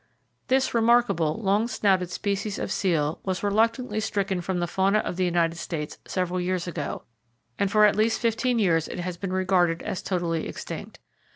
—This remarkable long snouted species of seal was reluctantly stricken from the fauna of the United States several years ago, and for at least fifteen years it has been regarded as totally extinct.